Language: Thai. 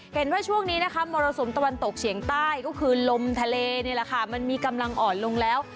เห็นว่าช่วงนี้นะคะมรสุมตะวันตกเฉียงใต้ก็คือลมทะเลนี่แหละค่ะมันมีกำลังอ่อนลงแล้ว